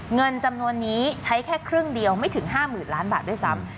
เงินจำนวนนี้ใช้แค่ครึ่งเดียวไม่ถึง๕๐๐๐ล้านบาทด้วยซ้ำ